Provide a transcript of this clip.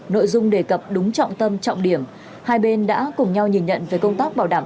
nội dung đề cập đúng trọng tâm trọng điểm hai bên đã cùng nhau nhìn nhận về công tác bảo đảm